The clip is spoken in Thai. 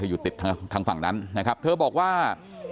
อยู่ติดทางฝั่งนั้นนะครับเธอบอกว่า